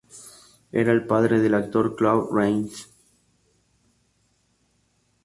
Era el padre del actor Claude Rains.